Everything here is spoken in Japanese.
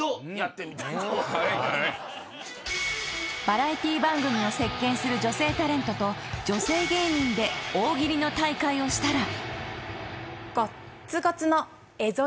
［バラエティー番組を席巻する女性タレントと女性芸人で大喜利の大会をしたら］